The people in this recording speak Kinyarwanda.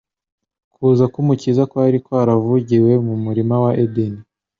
Kuza k'Umukiza kwari kwaravugiwe mu murima wa Edeni.